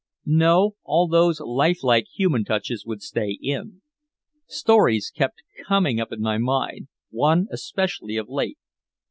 No, all those lifelike human touches would stay in. Stories kept coming up in my mind, one especially of late.